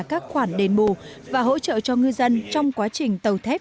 các khoản đền bù và hỗ trợ cho ngư dân trong quá trình tàu thép